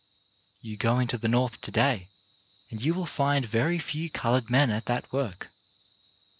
You go into the North to day, and you will find very few coloured men at that work.